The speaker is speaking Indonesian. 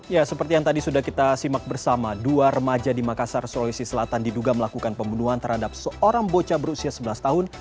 ya seperti yang tadi sudah kita simak bersama dua remaja di makassar sulawesi selatan diduga melakukan pembunuhan terhadap seorang bocah berusia sebelas tahun